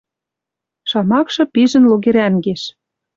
Шамакшы пижӹн логерӓнгеш.